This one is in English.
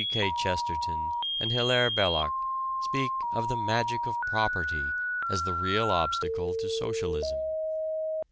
G. K. Chesterton and Hilaire Belloc speak of the "magic of property" as the real obstacle to socialism.